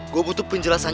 gue butuh penjelasan